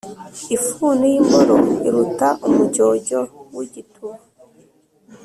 ifuni y’imboro iruta umujyojyo w’igituba.